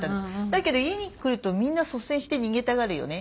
「だけど家に来るとみんな率先して逃げたがるよね」